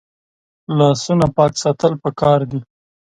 لاسونه پاک ساتل پکار دي